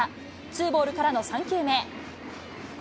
ツーボールからの３球目。